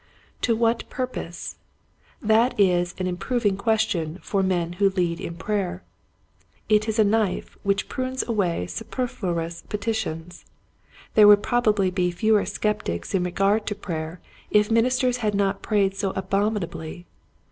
To what purpose ? That is an improv ing question for men who lead in prayer. It is a knife which prunes away super fluous petitions. There would probably be fewer skeptics in regard to prayer if ministers had not prayed so abominably.